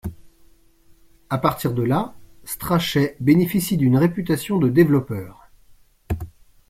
À partir de là, Strachey bénéficie d'une réputation de développeur.